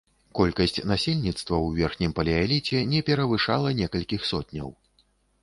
Колькасць насельніцтва ў верхнім палеаліце не перавышала некалькіх сотняў.